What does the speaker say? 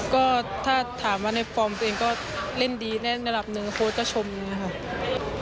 ก็ถ้าถามว่าในฟอร์มตัวเองก็เล่นดีแน่นระบนหนึ่งโค้ชก็ชมเลยค่ะ